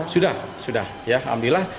sudah sudah alhamdulillah